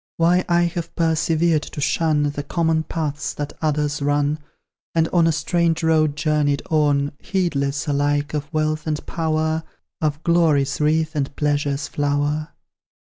Why I have persevered to shun The common paths that others run; And on a strange road journeyed on, Heedless, alike of wealth and power Of glory's wreath and pleasure's flower.